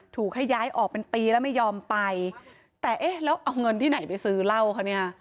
ถูกให้ย้ายออกเป็นปีแล้วไม่ยอมไปแต่เอ๊ะแล้วเอาเงินที่ไหนไปซื้อเหล้าคะเนี่ย